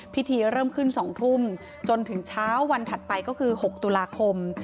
พิธีเริ่มขึ้น๒ทุ่มจนถึงเช้าวันถัดไปก็คือ๖ตุลาคม